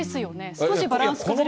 少しバランス崩すと。